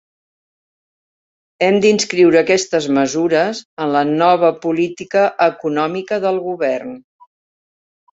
Hem d'inscriure aquestes mesures en la nova política econòmica del govern.